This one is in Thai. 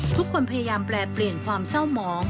ทุกคนพยายามแปลเปลี่ยนความเศร้าหมอง